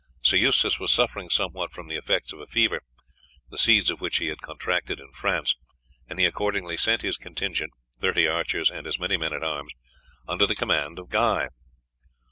Sir Eustace was suffering somewhat from the effects of a fever, the seeds of which he had contracted in France, and he accordingly sent his contingent, thirty archers and as many men at arms, under the command of Guy.